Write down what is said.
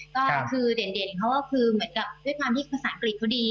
ก็คือเด่นเขาก็คือเหมือนกับด้วยความที่ภาษาอังกฤษเขาดี